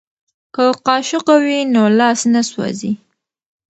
که قاشقه وي نو لاس نه سوځي.